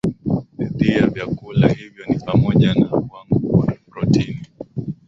dhi ya vyakula hivyo ni pamoja na wanga protini